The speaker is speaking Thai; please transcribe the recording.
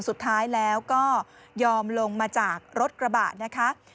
สุดท้ายแล้วก็ยอมลงมาจากรถกระบะนะคะ